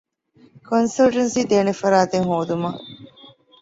ކޮންސަލްޓެންސީ ދޭނެ ފަރާތެއް ހޯދުމަށް